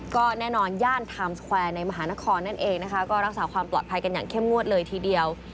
ก็แน่นอนย่านไทม์สแควร์ในมหานครนั่นเองนะคะก็รักษาความปลอดภัยกันอย่างเข้มงวดเลยทีเดียว